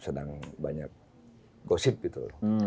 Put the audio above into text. sedang banyak gosip gitu